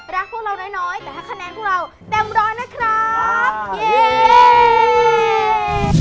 รักพวกเราน้อยแต่ถ้าคะแนนพวกเราเต็มร้อยนะครับ